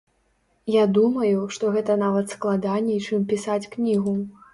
Я думаю, што гэта нават складаней, чым пісаць кнігу.